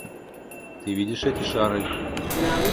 Ты видишь эти шары?